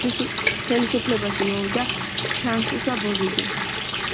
ხელისუფლებაში მოვიდა ფრანსუა ბოზიზე.